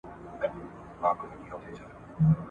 خو نیژدې نه سوای ورتللای څوک له ویري !.